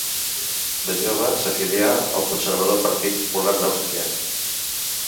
De jove s'afilià al conservador Partit Popular d'Àustria.